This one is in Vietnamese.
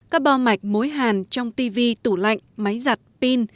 các bo mạch mối hàn trong tv tủ lạnh máy giặt pin